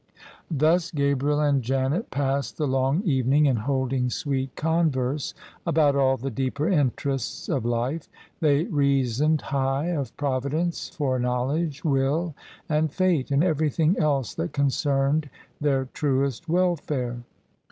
Thus Gabriel and Janet passed the long evening in hold ing sweet converse about all the deeper interests of life: they " reasoned high of providence, foreknowledge, will, and fate," and everything else that concerned their truest welfare.